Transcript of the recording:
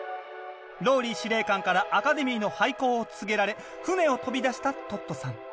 ＲＯＬＬＹ司令官からアカデミーの廃校を告げられ船を飛び出したトットさん。